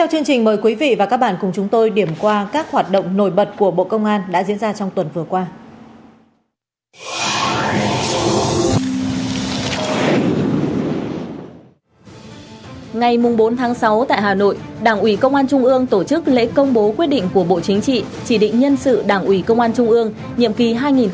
hãy đăng ký kênh để ủng hộ kênh của chúng mình nhé